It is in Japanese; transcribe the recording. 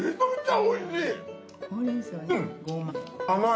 おいしい？